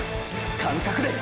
感覚で！！